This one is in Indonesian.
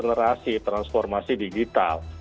melakukan akselerasi transformasi digital